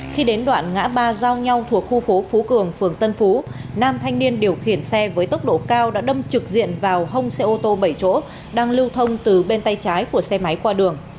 khi đến đoạn ngã ba giao nhau thuộc khu phố phú cường phường tân phú nam thanh niên điều khiển xe với tốc độ cao đã đâm trực diện vào hông xe ô tô bảy chỗ đang lưu thông từ bên tay trái của xe máy qua đường